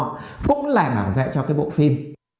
cũng là bảo vệ cho cái bộ phim